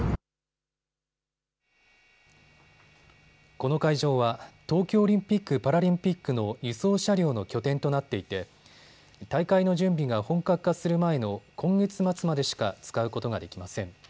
この会場は東京オリンピック・パラリンピックの輸送車両の拠点となっていて大会の準備が本格化する前の今月末までしか使うことができません。